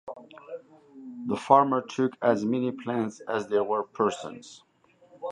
The farmer took as many plants as there were persons.